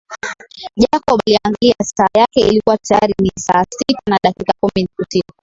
Jacob aliangalia saa yake ilikua tayari ni saa sita na dakika kumi usiku